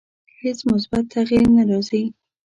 هیڅ مثبت تغییر نه راځي.